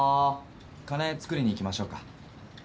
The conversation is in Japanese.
金作りにいきましょうか。